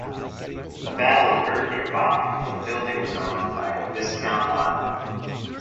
A battle occurred nearby, when the building was owned by a Viscount Lisle.